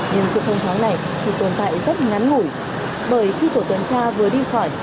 nhưng sự thông thoáng này chỉ tồn tại rất ngắn ngủi bởi khi tổ tuần tra vừa đi khỏi